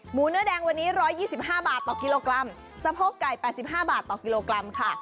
เนื้อแดงวันนี้๑๒๕บาทต่อกิโลกรัมสะโพกไก่๘๕บาทต่อกิโลกรัมค่ะ